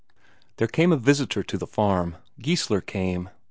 There came a visitor to the farm Geissler came.